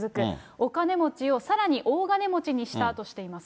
お金持ちをさらに大金持ちにしたとしています。